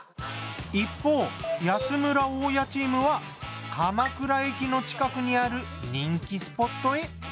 一方安村・大家チームは鎌倉駅の近くにある人気スポットへ。